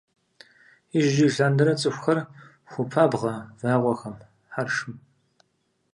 Ижь-ижьыж лъандэрэ цӏыхухэр хуопабгъэ вагъуэхэм, хьэршым.